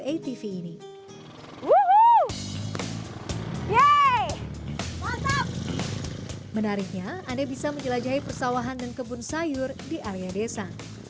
di tv ini menariknya anda bisa menjelajahi persawahan dan kebun sayur di area desa